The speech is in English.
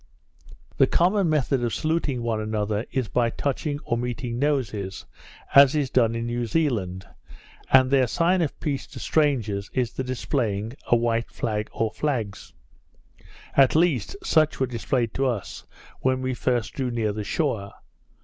The common method of saluting one another is by touching or meeting noses, as is done in New Zealand, and their sign of peace to strangers, is the displaying a white flag or flags; at least such were displayed to us, when we first drew near the shore.